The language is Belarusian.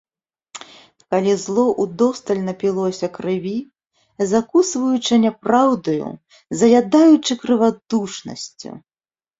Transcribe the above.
Калі зло ўдосталь напілося крыві, закусваючы няпраўдаю, заядаючы крывадушнасцю.